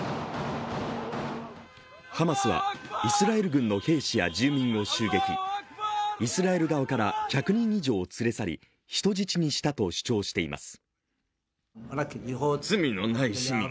ハマスはイスラエル軍の兵士や住民を襲撃、イスラエル側から１００人以上を連れ去り、人質にしたと主張しています。